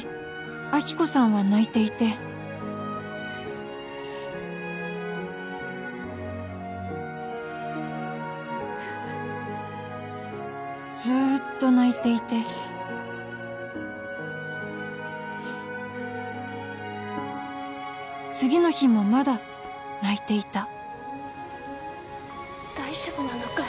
亜希子さんは泣いていてずーっと泣いていて次の日もまだ泣いていた大丈夫なのかい？